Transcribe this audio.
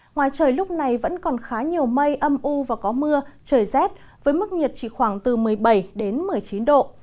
ngoài trời lúc này vẫn còn khá nhiều mây âm u và có mưa trời rét với mức nhiệt chỉ khoảng từ một mươi bảy đến một mươi chín độ